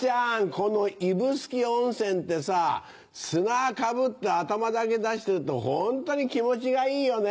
この指宿温泉ってさ砂かぶって頭だけ出してるとホントに気持ちがいいよね。